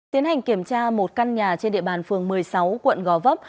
tiến hành kiểm tra một căn nhà trên địa bàn phường một mươi sáu quận gò vấp